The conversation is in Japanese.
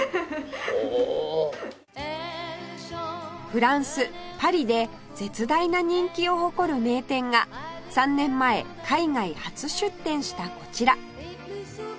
フランスパリで絶大な人気を誇る名店が３年前海外初出店したこちら